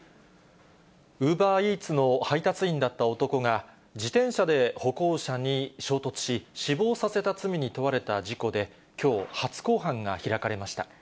ウーバーイーツの配達員だった男が、自転車で歩行者に衝突し、死亡させた罪に問われた事故できょう、初公判が開かれました。